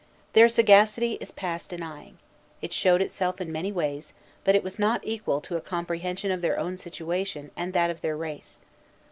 Their sagacity is past denying; it showed itself in many ways; but it was not equal to a comprehension of their own situation and that of their race.